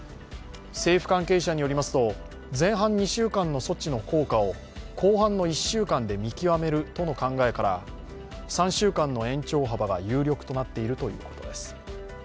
政府関係者によりますと前半２週間の措置の効果を後半の１週間で見極めるとの考えから、３週間の延長幅が有力となっているということです。